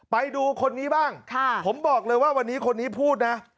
ไปดูคนนี้บ้างผมบอกเลยว่าวันนี้คนนี้พูดนะ